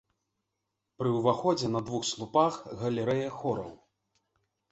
Пры ўваходзе на двух слупах галерэя хораў.